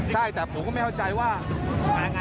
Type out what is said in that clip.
ใช่แต่ผมก็ไม่เข้าใจว่า